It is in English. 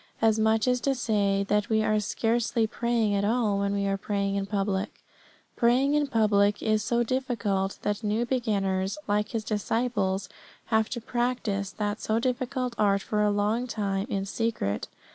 As much as to say that we are scarcely praying at all when we are praying in public. Praying in public is so difficult that new beginners, like His disciples, have to practise that so difficult art for a long time in secret.